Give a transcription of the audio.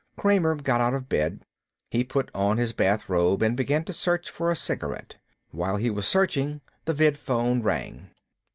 Kramer got out of bed. He put on his bathrobe and began to search for a cigarette. While he was searching, the vidphone rang.